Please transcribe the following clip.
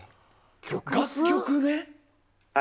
楽曲ね。